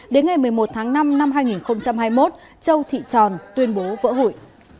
đến ngày một mươi một tháng năm năm hai nghìn hai mươi một châu thị tròn tuyên bố vỡ hủy